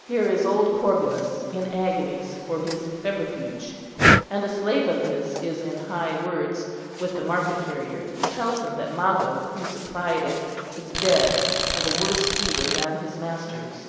Here is old Corbulus in agonies for his febrifuge, and a slave of his is in high words with the market carrier, who tells him that Mago, who supplied it, is dead of a worse fever than his master's.